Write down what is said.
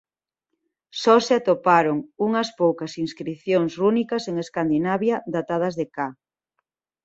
Só se atoparon unhas poucas inscricións rúnicas en Escandinavia datadas de "ca.